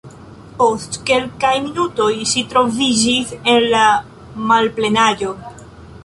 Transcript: Post kelkaj minutoj ŝi troviĝis en la malplenaĵo.